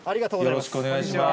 よろしくお願いします。